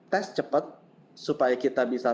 tes cepat supaya kita bisa